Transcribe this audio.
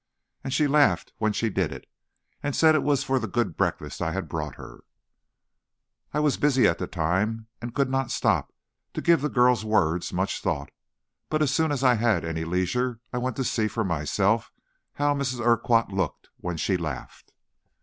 And she laughed when she did it, and said it was for the good breakfast I had brought her." I was busy at the time, and could not stop to give the girl's words much thought; but as soon as I had any leisure, I went to see for myself how Mrs. Urquhart looked when she laughed.